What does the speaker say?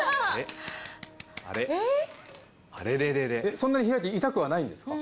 そんなに開いて痛くはないんですか？